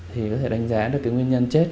thì có thể đánh giá được cái nguyên nhân chết